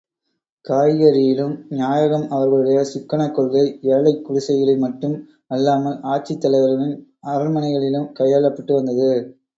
காய்கறியிலும் நாயகம் அவர்களுடைய சிக்கனக் கொள்கை ஏழைக் குடிசைகளில் மட்டும் அல்லாமல், ஆட்சித் தலைவர்களின் அரண்மனைகளிலும் கையாளப்பட்டு வந்தது.